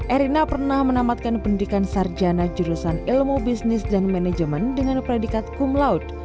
erina pernah menamatkan pendidikan sarjana jurusan ilmu bisnis dan manajemen dengan predikat kumlaut